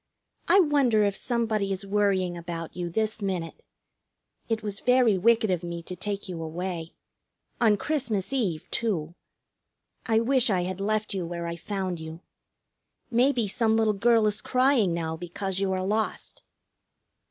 I wonder if somebody is worrying about you this minute. It was very wicked of me to take you away on Christmas Eve, too! I wish I had left you where I found you. Maybe some little girl is crying now because you are lost."